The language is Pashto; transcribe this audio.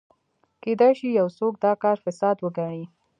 کېدای شي یو څوک دا کار فساد وګڼي.